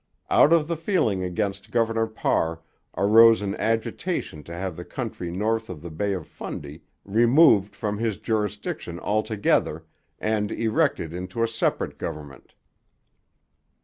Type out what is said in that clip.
Out of the feeling against Governor Parr arose an agitation to have the country north of the Bay of Fundy removed from his jurisdiction altogether, and erected into a separate government.